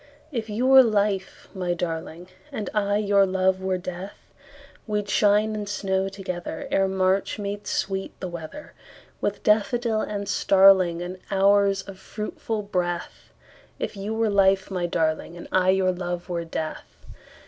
If you were life, my darling, And I your love were death, We'd shine and snow togetherEre March made sweet the weatherWith daffodil and starlingAnd hours of fruitful breath; If you were life, my darling, And I your love were death.